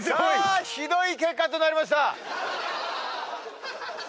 ひどい結果となりました。